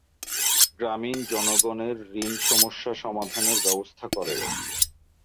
গ্রামীন জনগণের ঋণ সমস্যা সমাধানের ব্যবস্থা করেন।